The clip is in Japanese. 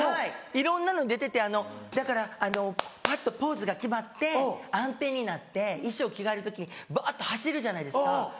いろんなの出ててだからパッとポーズが決まって暗転になって衣装着替える時にバって走るじゃないですか。